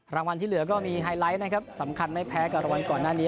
รางวัลที่เหลือก็มีไฮไลท์นะครับสำคัญไม่แพ้กับรางวัลก่อนหน้านี้